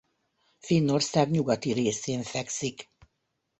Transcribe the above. Finnország nyugati részén fekszik.